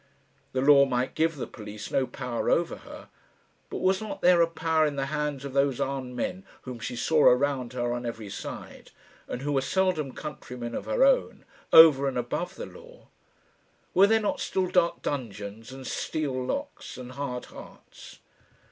The law might give the police no power over her; but was there not a power in the hands of those armed men whom she saw around her on every side, and who were seldom countrymen of her own, over and above the law? Were there not still dark dungeons and steel locks and hard hearts?